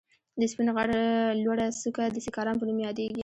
د سپين غر لوړه څکه د سيکارام په نوم ياديږي.